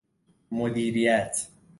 مدیریت